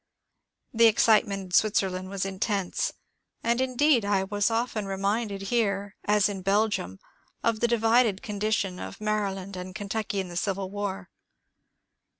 The excitement in Switzerland was intense ; and indeed I was often reminded here, as in Belgium, of the divided con dition of Maryland and Kentucky in the civil war.